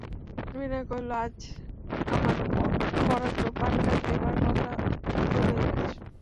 বিনয় কহিল, আজ আমার বরাদ্দ পানটা দেবার কথা ভুলেই গেছ।